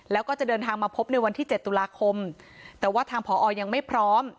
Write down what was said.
แล้วก็จะเดินทางมาพบในวันที่๗ตุลาคมแต่ว่าทางผอยังไม่พร้อม